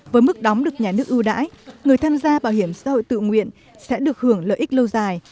với mức đóng được nhà nước ưu đãi người tham gia bảo hiểm xã hội tự nguyện sẽ được hưởng lợi ích lâu dài